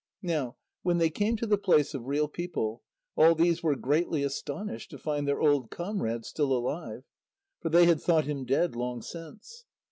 Now when they came to the place of real people, all these were greatly astonished to find their old comrade still alive. For they had thought him dead long since.